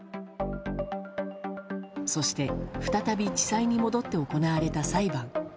そして、再び地裁に戻って行われた裁判。